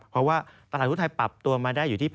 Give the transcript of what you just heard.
เพราะว่าตลาดหุ้นไทยปรับตัวมาได้อยู่ที่๘